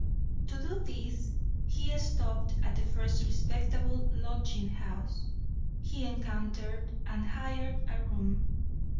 To do this he stopped at the first respectable lodging house he encountered and hired a room.